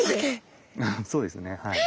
そうですねはい。